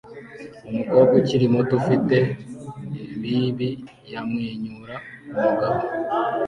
Umukobwa ukiri muto ufite bib yamwenyura kumugabo